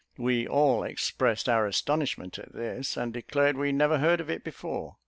We all expressed our astonishment at this, and declared we never heard of it before.